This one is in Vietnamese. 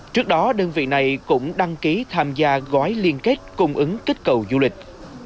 trước đó đơn vị này cũng đăng ký tham gia gói liên kết cung ứng kích cầu du lịch